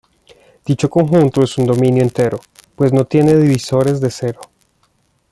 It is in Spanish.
Dicho conjunto es un dominio entero, pues no tiene divisores de cero.